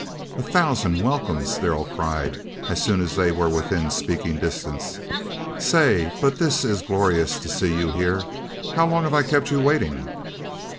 "A thousand welcomes!" Darrell cried, as soon as they were within speaking distance; "say, but this is glorious to see you here! How long have I kept you waiting?"